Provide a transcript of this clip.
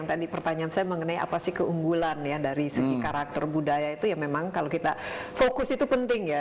jadi pertanyaan saya mengenai apa sih keunggulan dari segi karakter budaya itu ya memang kalau kita fokus itu penting ya